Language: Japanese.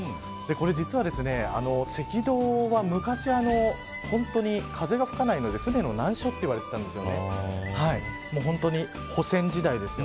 これ実は、赤道は昔、本当に風が吹かないので船の難所と言われていたんです。